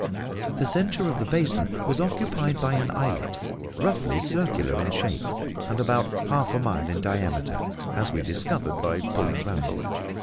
The centre of the basin was occupied by an islet, roughly circular in shape, and about half a mile in diameter, as we discovered by pulling round it.